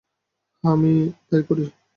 হ্যাঁ, আমিও তাই করি।